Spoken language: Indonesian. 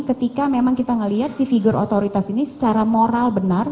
ketika memang kita melihat si figur otoritas ini secara moral benar